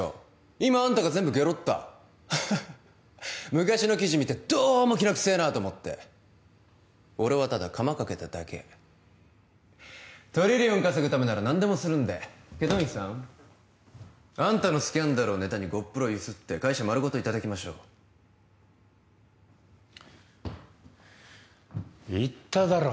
今あんたが全部ゲロったハハ昔の記事見てどうもキナくせえなと思って俺はただカマかけただけトリリオン稼ぐためなら何でもするんで祁答院さんあんたのスキャンダルをネタにゴップロゆすって会社丸ごといただきましょう言っただろ